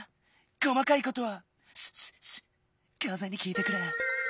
こまかいことはシュッシュッシュかぜにきいてくれ。